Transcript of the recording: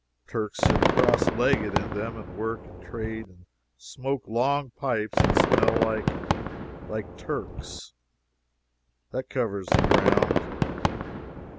The Turks sit cross legged in them, and work and trade and smoke long pipes, and smell like like Turks. That covers the ground.